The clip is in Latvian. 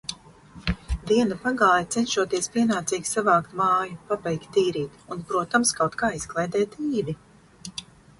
Diena pagāja, cenšoties pienācīgi savākt māju, pabeigt tīrīt. Un protams, kaut ka izklaidēt Īvi.